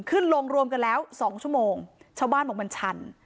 ขึ้นลงรวมกันแล้วสองชั่วโมงชาวบ้านบอกมันชัน